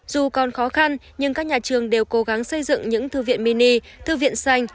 dù còn khó khăn nhưng các nhà trường đều cố gắng xây dựng những thư viện mini thư viện xanh